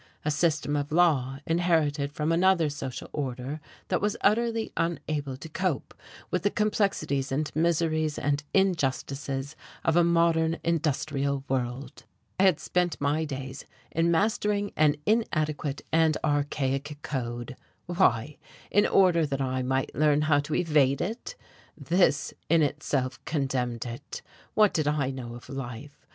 A system of law, inherited from another social order, that was utterly unable to cope with the complexities and miseries and injustices of a modern industrial world. I had spent my days in mastering an inadequate and archaic code why? in order that I might learn how to evade it? This in itself condemned it. What did I know of life?